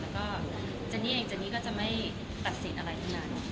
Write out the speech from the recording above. แล้วก็เจนนี่เองเจนนี่ก็จะไม่ตัดสินอะไรทั้งนั้น